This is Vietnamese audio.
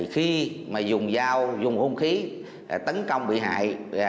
khi mà dùng dao dùng hung khí tấn công bị hại